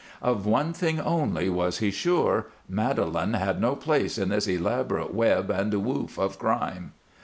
Of one thing only was he sure, Madelon had no place in this elaborate web and woof of crime.